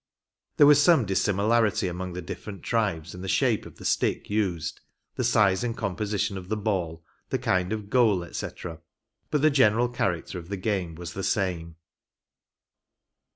There was some dissimilarity among the different tribes in the shape of the stick used, the size and composition of the ball, the kind of goal, &c., but the general character of the game was the same.